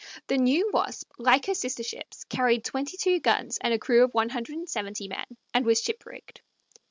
The new Wasp, like her sister ships, carried twenty two guns and a crew of one hundred and seventy men, and was ship rigged.